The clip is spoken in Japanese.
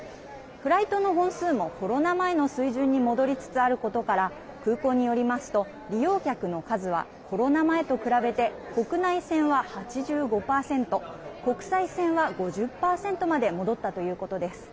フライトの本数も、コロナ前の水準に戻りつつあることから空港によりますと、利用客の数はコロナ前と比べて国内線は８５％国際線は５０％まで戻ったということです。